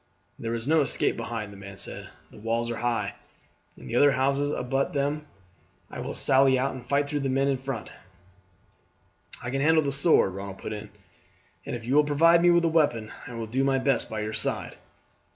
"There is no escape behind," the man said; "the walls are high, and other houses abut upon them. I will sally out and fight through the men in front." "I can handle the sword," Ronald put in; "and if you will provide me with a weapon I will do my best by your side."